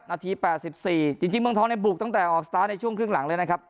นาที๘๔จริงเมืองทองในบุกตั้งแต่ออกสตาร์ทในช่วงครึ่งหลังเลยนะครับ